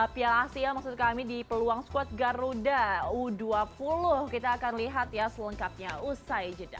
piala asia maksud kami di peluang squad garuda u dua puluh kita akan lihat ya selengkapnya usai jeda